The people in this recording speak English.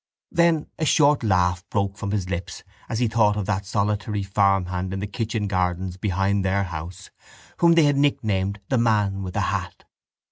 Then a short laugh broke from his lips as he thought of that solitary farmhand in the kitchen gardens behind their house whom they had nicknamed the man with the hat.